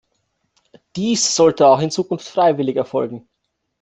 Dies sollte auch in Zukunft freiwillig erfolgen.